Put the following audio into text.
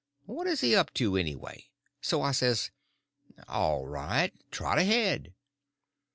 What is he up to, anyway? So I says: "All right; trot ahead."